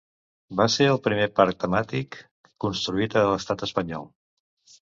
Va ser el primer parc temàtic construït a l'Estat espanyol.